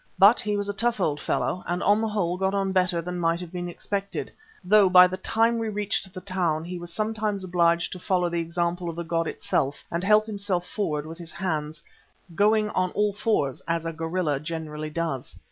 But he was a tough old fellow, and on the whole got on better than might have been expected, though by the time we reached the town he was sometimes obliged to follow the example of the god itself and help himself forward with his hands, going on all fours, as a gorilla generally does.